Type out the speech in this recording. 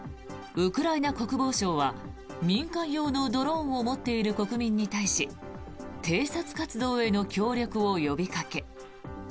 ウクライナ国防省は民間用のドローンを持っている国民に対し偵察活動への協力を呼びかけ